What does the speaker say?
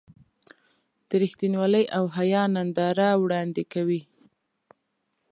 د رښتینولۍ او حیا ننداره وړاندې کوي.